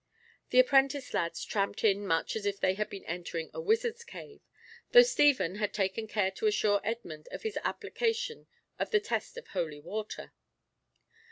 The apprentice lads tramped in much as if they had been entering a wizard's cave, though Stephen had taken care to assure Edmund of his application of the test of holy water.